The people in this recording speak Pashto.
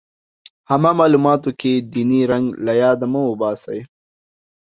عامه معلوماتو کې ديني رنګ له ياده مه وباسئ.